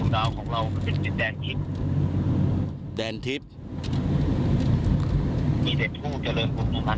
ดานทิพย์